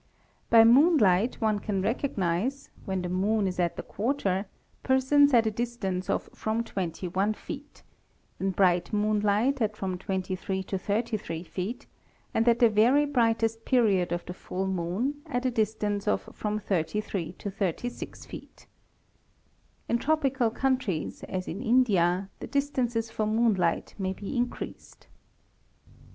_ By moonlight one can recognize, when the moon is at the quarter, yersons at a distance of from 21 feet, in bright moonlight at from 23 to _ 33 feet; and at the very brightest period of the full moon, at a distance a Be from 33 to 36 feet. In tropical countries, as in India, the distances x moonlight may be increased.